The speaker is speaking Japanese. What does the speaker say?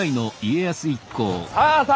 さあさあ